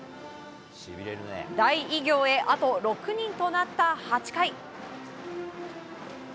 大偉業へ、あと６人となった８回。